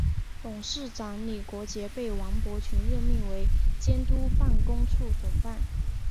董事长李国杰被王伯群任命为监督办公处总办。